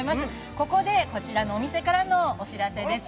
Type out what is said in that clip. ここでこちらのお店からのお知らせです。